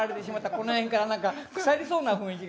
この辺から何か腐りそうな雰囲気が。